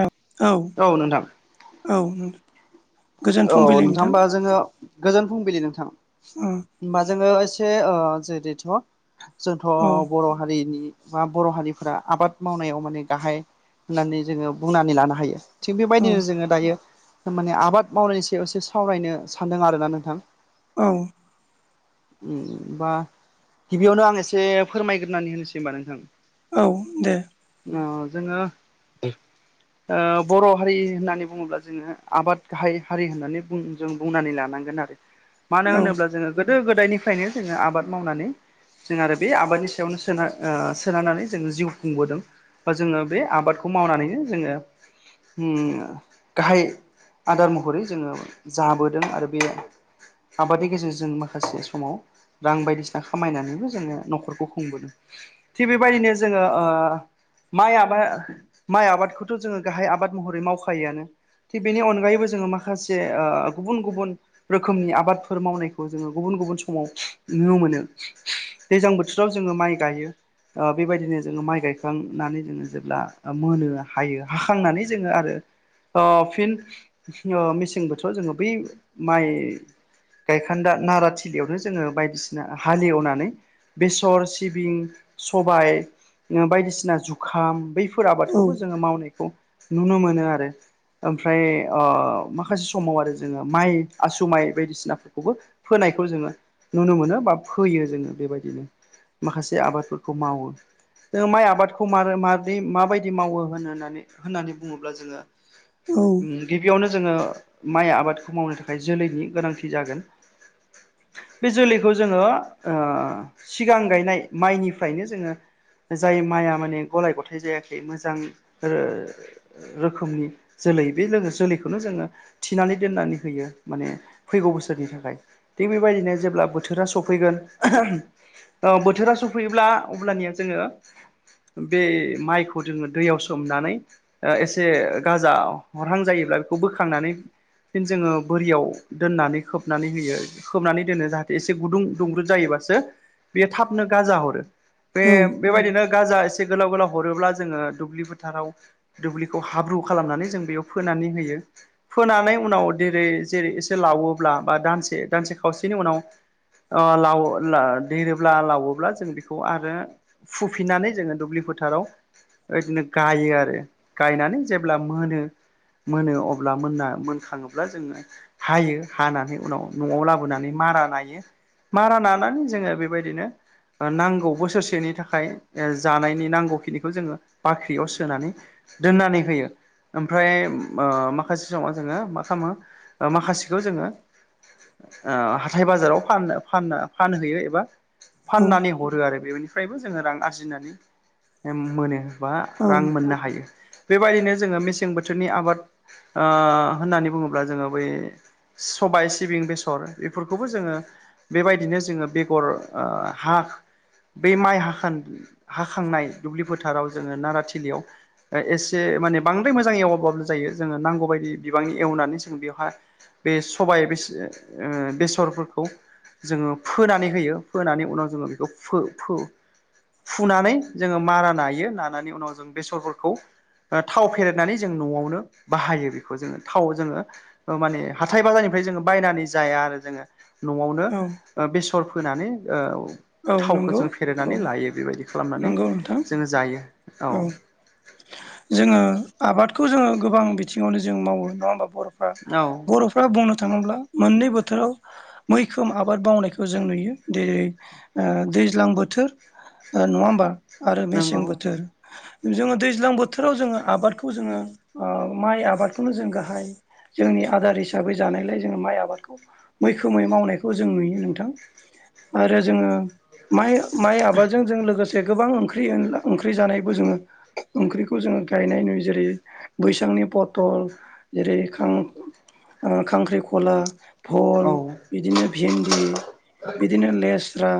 औ औ औ गोजोन औ फुंबिलि नोंथां नोंथांबा जोङो गोजोन फुंबिलि नोंथां। [inaudible] होमबा जोङो एसे जेरैथ' जोंथ' औ बर' हारिनि बा बर' हारिफोरा आबाद मावनायाव माने गाहाय होननानै जोङो बुंनानै लानो हायो। थिग औ बेबायदिनो जोङो दायो माने आबाद मावनायनि सायाव एसे सावरायनो सानदों आरोना नोंथां। औ। बा गिबियावनो आं एसे फोरमायग्रोनानै होनोसै होनबा नोंथां औ दे। जोङो बर' हारि होननानै बुङोब्ला जोङो आबाद। गाहाय हारि होननानै बुं जों बुंनानै लानांगोन आरो मानो औ होनोब्ला जोङो। गोदो गोदायनिफ्रायनो जोङो आबाद मावनानै जों आरो बे आबादनि सायावनो सोना सोनानै जोंङ जिउ खुंबोदों। ब जोङो बे आबादखौ मावनानैनो जोङो गाहाय आदार महरै जोङो जाबोदों आरो बे आबादनि गेजेरजों जों माखासे समाव। रां बायदिसिना खामायनानैबो जोङो न'खरखौ खुंबोदों। थिग बेबायदिनो जोङो। माइ आबाद माइ आबादखौथ' जोङो गाहाय आबाद महरै मावखायोआनो थिग बेनि अनगायैबो। जोङो माखासे गुबुन गुबुन। रोखोमनि आबादफोर मावनायखौ जोङो गुबुन गुबुन समाव नुनो मोनो। दैज्लां बोथोराव जोङो माइ गायो। बेबायदिनो जोङो माइ गायखांनानै जोङो जेब्ला मोनो हायो हाखांनानै जोङो आरो। फिन मेसें बोथोराव जोङो बै माइ। गायखान्दा नारा थिलियावनो जोङो बायदिसिना हालेवनानै। बेसर सिबिं सबाय बायदिसिना जुखाम बैफोर। बे फोर औ आबादखौबो जोङो मावनायखौ नुनो मोनो आरो ओमफ्राय। माखासे समाव आरो जोङो माइ आसु माइ बायदिसिनाफोरखौबो फोनायखौ जोङो। नुनो मोनो बा फोयो जोङो बेबायदिनो माखासे आबादफोरखौ मावो। जोङो माइ आबादखौ मै माबै माबायदि मावो होन होननानै होननानै बुङोब्ला जोङो। औ गिबियावनो जोङो माइ आबादखौ मावनो थाखाय जोलैनि गोनांथि जागोन। बे जोलैखौ जोङो सिगां गायनाय माइनिफ्रायनो जोङो। जाय माइआ माने गलाय गथायाइ जायाखै मोजां। रोखोमनि जोलै। बे जोलैखौनो जोङो थिनानै दोननानै होयो माने फैगौ बोसोरनि थाखाय। थिग बेबायदिनो जेब्ला बोथोरा सफैगोन औ बोथोरा सफैयोब्ला अब्लानिया जोङो बे माइखौ जोङो दैयाव सोमनानै ओ एसे गाजा हरहां जायोब्ला बेखौ बोखांनानै फिन जोङो बोरियाव दोननानै खोबनानै होयो खोबनानै दोनो जाहाथे एसे गुदुं दुंब्रुद जायोबासो बेयो थाबनो गाजा हरो बे औ बेबायदिनो गाजा एसे गोलाव गोलाव हरोब्ला जोङो दुब्लि फोथाराव दुब्लिखौ हाब्रु खालामनानै जों बेयाव फोनानै होयो फोनानै उनाव जेरै जेरै एसे लावोब्ला बा दानसे दानसे खावसेनि उनाव ओ लाव ला देरोब्ला लावोब्ला जों बेखौ आरो फुफिननानै जोङो दुब्लि फोथाराव बेदिनो गायो आरो गायनानै जेब्ला मोनो मोनो अब्ला मोनना मोनखाङोब्ला जोङो हायो हानानै उनाव न'आव लाबोनानै मारा नायो मारा नानानै जोङो बेबायदिनो नांगौ बोसोरसेनि थाखाय जानायनि नांगौखिनिखौ जों बाख्रियाव सोनानै दोननानै होयो ओमफ्राय ओ माखासे समाव जोङो मा खालामो माखासेखौ जोङो। ओ हाथाय बाजाराव फान फान फानहैयो एबा फाननानै हरो आरो बेनिफ्रायबो जोङो रां आरजिनानै मोनो। बा औ रां मोननो हायो बेबायदिनो जोङो मेसें बोथोरनि आबाद ओ होननानै बुङोब्ला जोङो बै। सबाइ सिबिं बेसर बेफोरखौबो जोङो बेबायदिनो जोङो बेगर हा बै माइ हाखान हाखांनाय दुब्लि फोथाराव जोङो नाराथिलियाव एसे माने बांद्राय मोजां एव [unintelligible] जायो जोङो नांगौ बायदि बिबांनि एवनानै जों बेयावहा बे सबाइ ओ बेसरफोरखौ जोङो फोनानै होयो फोनानै उनाव जोङो बेखौ फो फो फुनानै जोङो मारा नायो नानानै उनाव जों बेसरफोरखौ थाव फेरदनानै जों न'आवनो बाहायो बेखौ जोङो थाव जोङो। ओ माने हाथाय बाजारनिफ्राय जोङो बायनानै जाया आरो जोङो। न'आवनो औ बेसर फोनानै ओ औ थावखौ नंगौ जों औ फेरेनानै लायो बेबायदि खालामनानै नंगौ नोंथां जोङो जायो औ जोङो आबादखौ जोङो गोबां बिथिङावनो जों मावो नङा होमबा बर'। औ बर'फ्रा बुंनो थाङोब्ला मोननै बोथोराव मैखोम आबाद मावनायखौ जों नुयो जेरै ओ दैज्लां बोथोर। ओ नङा होमबा आरो नंगौ मेसें बोथोर जोङो दैज्लां बोथोराव जोङो आबादखौ जोङो माइ आबादखौनो जों गाहाय। जोंनि आदार हिसाबै जानायलाय जोङो माइ आबादखौ मैखोमै मावनायखौ जों नुयो नोंथां आरो जोङो माइ। माइ आबादजों जों लोगोसे गोबां ओंख्रि ओंख्रि जानाय जोङो ओंख्रिखौ जोङो गायनाय नुयो जेरै बैसांनि पथल जेरै खां ओ खांख्रिखला औ बल बिदिनो फिन्दि बिदिनो लेस्रा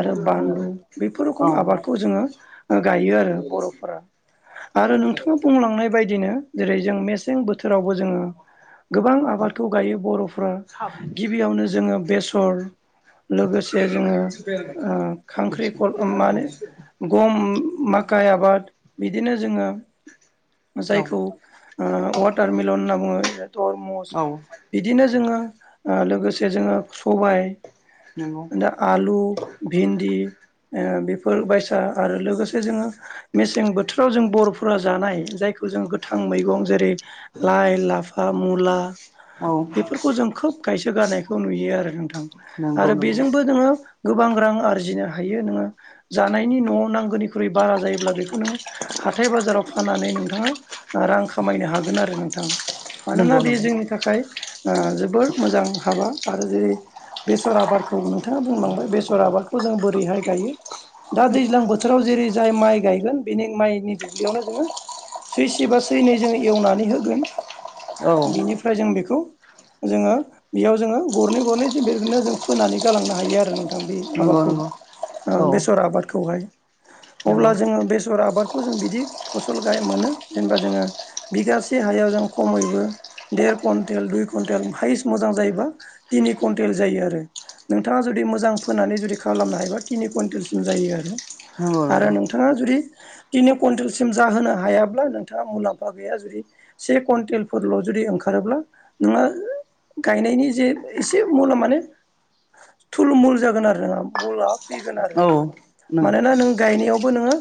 आरो बानलु बेफोर औ रोखोम आबादखौ जोङो। गायो आरो बर'फोरा आरो नोंथाङा बुंलांनाय बायदि। दिनो जेरै जों मेसें बोथोरावबो जोङो। गोबां आबादखौ गायो बर'फ्रा गिबियावनो जोङो बेसर लोगोसे जोङो खांख्रिखल मा होनो। गम माखाइ आबाद बिदिनो जोङो। जायखौ औ वाटारमेलन होनना बुङो धरमस औ बिदिनो जोङो लोगोसे जोङो सबाय। औ। दा आलु भिन्दि बेफोर बायसा आरो लोगोसे जोङो मेसें बोथोराव जों बर'फोरा जानाय जायखौ जों गोथां मैगं जेरै लााय लाफा मुला औ बेफोरखौ जों खोब गायसो गारनायखौ नुयो आरो नोंथां नंगौ आरो नंगौ बेजोंबो जोंङो गोबां रां आरजिनो हायो नोङो जानायनि न'आव नांगौनिख्रुइ बारा जायोब्ला बेखौ नोङो हाथाय बाजाराव फाननानै नोंथाङा। रां खामायनो हागोन आरो नोंथाङा मानोना नंगौ बे नंगौ जोंनि थाखाय जोबोर मोजां हाबा आरो जेरै बेसर आबादखौ नोंथाङा बुंलांबाय बेसर आबादखौ जों बोरैहाय गायो दा दैजां बोथोराव जेरै जाय माइ गायगोन बेनि माइनि दुब्लियावनो जोङो। सैसेबा सैनै जो एवनानै होगोन औ बिनिफ्राय जों बेखौ जोङो बेयाव जोङो गरनै गरनै ज बेनो जों फोनानै गालांनो हायो आरो न बे नंगौ माबाखौ नंगौ औ बेसर आबादखौहाय अब्ला नंगौ जोङो बेसर आबादखौ जों बिदि फसल गाय मोनो जेनेबा जोङो बिगासे हाया जों खमैबो देर कुवन्टेल दुइ कुवन्टेल हाइस मोजां जायोबा नि कुन्टेल जायो आरो नोंथाङा जुदि मोजां फोनानै जुदि खालामनो हायोबा थिनि कुइन्टेलसिम जायो आरो। नंगौ आरो नोंथाङा जुदि तिनि कुवइन्टेलसिम जाहोनो हायाब्ला नोंथाङा मुलाम्फा गैया जुदि से कुवन्टेलफोरल' जुदि ओंखारोब्ला नोङो गायनायनि जे एसे मुला मानो। थुल मुल जागोन आरो नों मुला फैगोन आरो औ नंगौ मानोना नों गायनायावबो नोङो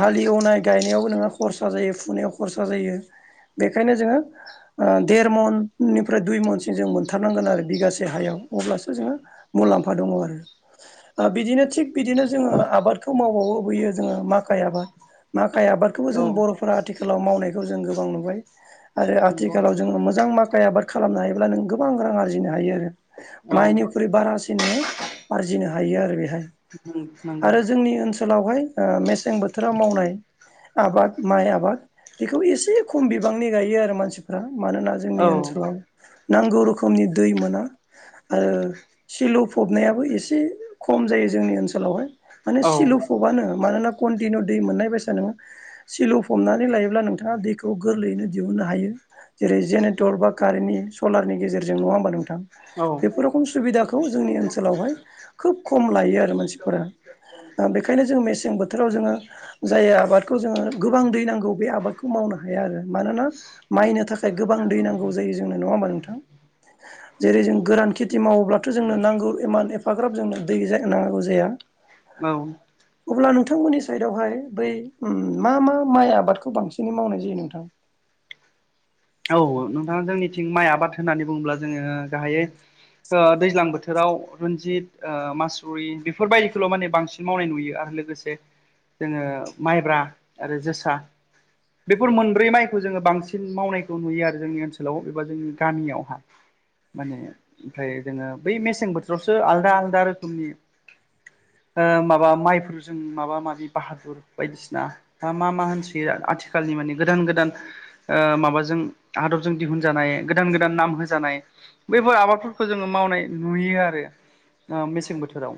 हालेवनाय गायनायावबो जोङो खरसा जायो फुनायाव खरसा जायो। बेखायनो जोङो देर मननिफ्राय दुइ मनसिम जों मोनथारनांगोन आरो बिगासे हायाव अब्लासो जोङो मुलाम्फा दङ आरो बिदिनो थिग बिदिनो जोङो आबादखौ माव बबोयो जोङो माखाइ आबाद माखाइ आबादखौबो जों औ बर'फोरा आथिखालाव मावनायखौ जों गोबां नुबाय आरो नंगौ आथिखालाव जोङो मोजां माखाइ आबाद खालामनो हायोब्ला नों गोबां रां आरजिनो हायो आरो औ माइनिख्रुइ बारासिन नोङो आरजिनो हायो आरो बेहाय नंगौ आरो जोंनि ओनसोल ओनसोलावहाय मेसें बोथोराव मावनाय आबाद माइ आबाद बेखौ एसे खम बिबांनि गायो आरो मानसिफ्रा मानोना जोंनि औ ओनसोलाव नांगौ रोखोमनि दै मोना आरो सिलु फबनायाबो एसे खम जायो जोंनि ओनसोलावहाय माने सिलु औ थबानो मानोना कन्टिनिउ दै मोननाय बायसा नोङो सिलौ फबनानै लायोब्ला नोंथाङा दैखौ गोरलैयैनो दिहुननो हायो। जेरै जेनेरेटर बा कारेन्टनि सलारनि गेजेरजों नङा होमबा नोंथां। औ औ बेफोर रोखम सुबिदाखौ जोंनि ओनसोलावहाय खोब खम लायो आरो मानसिफोरा बेखायनो जोङो मेसें बोथोराव जोङो जाय आबादखौ जोङो गोबां दै नांगौ बे आबादखौ मावनो हाया आरो मानोना। माइनो थाखाय गोबां दै नांगौ जायो जोंनो नङा होमबा नोंथां। जेरै जों गोरान खेथि मावोब्लाथ' जोंनो नांगौ इमान एफाग्राब जोंनो दै जानांगौ जाया। औ। अब्ला नोंथांमोननि साइदआवहाय बै मा मा माइ आबादखौ बांसिनै मावनाय जायो नोंथां। नोंथाङा जोंनिथिं माइ आबाद होननानै बुङोब्ला जोङो गाहायै दैज्लां बोथोराव रन्जित मासुरि बेफोरबायदिखौल' माने बांसिन मावनाय नुयो आरो लोगोसे जोङो माइब्रा आरो जोसा बेफोर मोनब्रै माइखौ जोङो बांसिन मावनायखौ नुयो आरो। जोंनि ओनसोलाव एबा जोंनि गामियावहा माने ओमफ्राय जोङो बै मेसें बोथोरावसो आलदा आलादा रोखोमनि ओ माबा माइफोरजों माबा माबि बाहादुर बायदिसिना दा मा मा होनसोयो आथिखालनि माने गोदान गोदान ओ माबाजों आदबजों दिहुनजानाय गोदान गोदान नाम होजानाय बैफोर आबादफोरखौ जोङो मावनाय नुयो आरो ओ मेसें बोथोराव।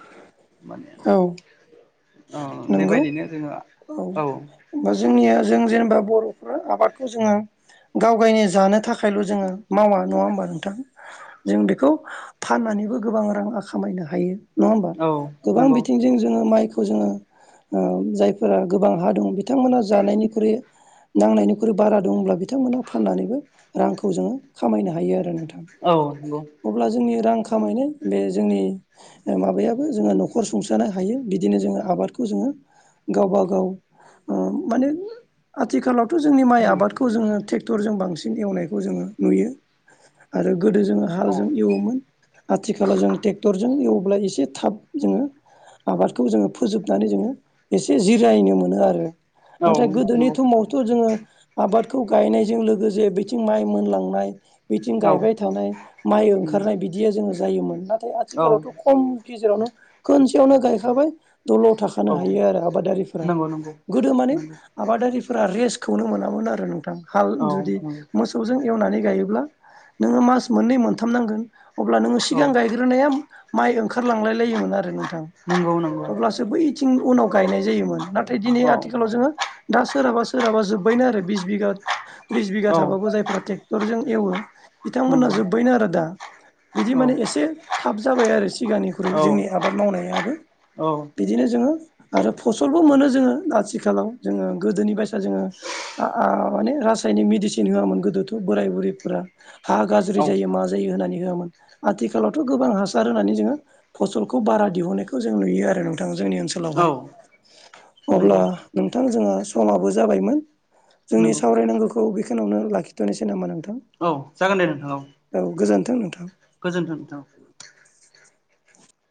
[inaudible] माने औ ओ बेबायदिनो जोङो औ। बा जोंनिया जों जेनेबा बर'फ्रा आबादखौ जोङो गाव गायनि जानो थाखायल' जोङो मावा। नङा होमबा नोंथां? जों बिखौ फाननानैबो गोबां रांआ खामायनो हायो। नङा होमबा? औ गोबां नंगौ बिथिंजों जोङो माइखौ जोङो ओ जायफोरा गोबां हा दं बिथांमोना जानायनिख्रुइ नांनायनिख्रुइ बारा दंब्ला बिथांमोना फाननानैबो रांखौ जोङो खामायनो हायो आरो नों औ नंगौ। अब्ला जोंनि रां खामायनाय बे जोंनि ओ माबायाबो जोंङा न' खर सुंसानो हायो बिदिनो जोङो आबादखौ जोङो गावबा गाव उम माने आथिखालावथ' जोंनि माइ आबादखौ जोङो ट्रेक टरजों बांसिन एवनायखौ जोङो नुयो आरो गोदो जोङो औ हालजों एवोमोन आथिखालाव जों टेक्टरजों एवोब्ला एसे थाब जोङो आबादखौ जोङो फोजोबनानै जोङो एसे जिरायनो मोनो आरो। औ नंगौ औ नाथाय उम गोदोनि औ थमाव थ' जोङो आबादखौ गायनायजों लोगोसे बिथिं माइ मोनलांनाय बिथिं औ गायबाय थानाय माइ ओंखारनाय बिदिया जोङो जायोमोन। नाथाय आथिखालावथ' खम गेजेरावनो खोनसेयावनो गायखाबाय दल' था जानो हायो आरो आबादारिफोरा। नंगौ नंगौ गोदो माने नंगौ आबादारिफोरा रेस्खौनो मोनामोन आरो नोंथां। हाल औ जुदि नंगौ मोस मोसौजों एवनानै गायोब्ला नोङो मास मोननै मोनथाम नांगोन। अब्ला नोङो औ सिगां गायग्रोनाया माइ ओंखार लांलाय लायोमोन। आरो नोंथां नंगौ नंगौ अब्लासो बैथिं उनाव गायनाय जायोमोन। नाथाय दिनै औ आथिखालाव जोङो दा सोरहाबा सोरहाबा जोब्बायनो आरो बिस बिगा बिस बिघा औ थाबाबो जायफ्रा टे टरजों एवो बिथांमोनहा नंगौ जोब्बायनो आरो दा। बिदि औ माने एसे थाब जाबाय आरो सिगांनिख्रुइ औ जोंनि आबाद मावनायाबो। औ बे दिनो जोङो आरो फसलबो मोनो जोङो आथिखालाव जोङो गोदोनि बायसा जोङो आ आ माने रासायनिक मिडिसिन होआमोन गोदोथ' बोराय बुरिफोरा। हा गाज्रि औ जायो मा जायो होनानै होआमोन आथिखालावथ' गोबां हासार होनानै जोङो फसल खौ बारा दिहुननायखौ जों नुयो आरो नोंथाङा जोंनि औ ओनसोलावहाय। अब्ला नंगौ नोंथां जोंहा समाबो जाबायमोन जोंनि नंगौ सावरायनांगोखो खौ बेखोनावनो लाखिथ'नोसै नामा नोंथां? औ जागोन दे नोंथां औ। गोजोन्थों नोंथां गोजोन्थों नोंथां औ।